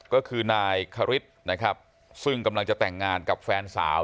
ก็คือนายคริสนะครับซึ่งกำลังจะแต่งงานกับแฟนสาว